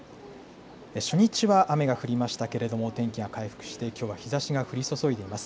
初日は雨が降りましたがお天気が回復してきょうは日ざしが降り注いでいます。